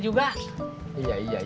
kedua ternyata sudah